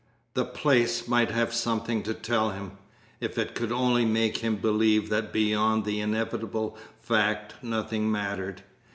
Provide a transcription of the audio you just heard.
The place might have something to tell him. If it could only make him believe that beyond the inevitable fact nothing mattered.